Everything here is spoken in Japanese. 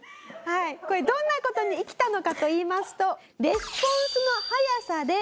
これどんな事に生きたのかといいますと。